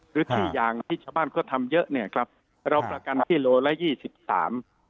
หรือที่อย่างที่ชาวบ้านเขาทำเยอะเนี่ยครับเราประกันที่โลละยี่สิบสาม